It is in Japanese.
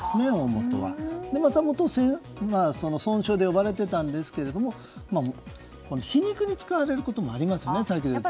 もともと尊称で呼ばれていたんですけど皮肉に使われることもありますね。